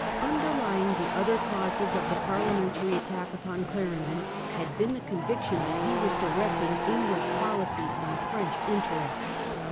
Underlying the other causes of the Parliamentary attack upon Clarendon had been the conviction that he English was directing English policy in the French jealousy of interest.